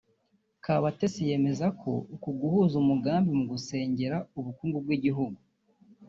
Kabatesi yemeza ko uku guhuza umugambi mu gusengera ubukungu bw’igihugu